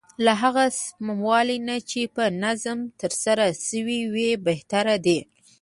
له هغه سموالي نه چې په ظلم ترسره شوی وي بهتر دی.